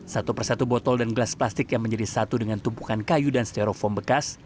satu persatu botol dan gelas plastik yang menjadi satu dengan tumpukan kayu dan stereofom bekas